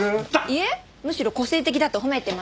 いえむしろ個性的だと褒めてます。